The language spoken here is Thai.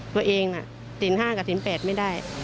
ตัวเองนะศีลห้าครับศีลแปดไม่ได้